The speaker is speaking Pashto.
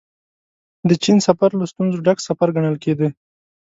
د چين سفر له ستونزو ډک سفر ګڼل کېده.